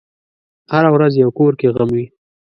هره ورځ یو کور کې غم وي.